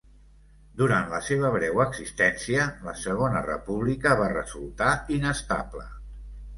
Durant la seva breu existència, la Segona República va resultar inestable.